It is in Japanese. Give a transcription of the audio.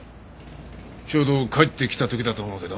ちょうど帰ってきた時だと思うけど。